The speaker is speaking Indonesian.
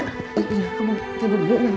kamu tidur dulu neng